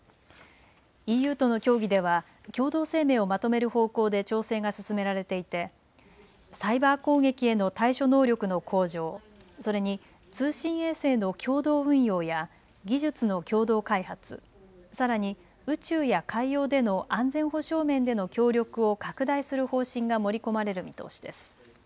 ＥＵとの協議では共同声明をまとめる方向で調整が進められていてサイバー攻撃への対処能力の向上、それに通信衛星の共同運用や技術の共同開発、さらに宇宙や海洋での安全保障面での協力を拡大する方針が盛り込まれる見通しです。